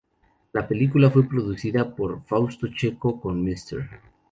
La película fue producida por Fausto Checho con Mr.